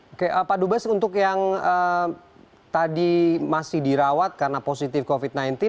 oke pak dubes untuk yang tadi masih dirawat karena positif covid sembilan belas